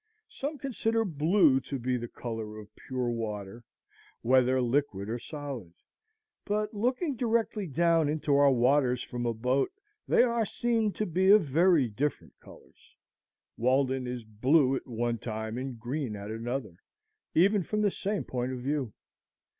Some consider blue "to be the color of pure water, whether liquid or solid." But, looking directly down into our waters from a boat, they are seen to be of very different colors. Walden is blue at one time and green at another, even from the same point of view.